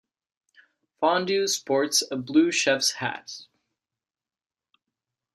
Fondue sports a blue chef's hat.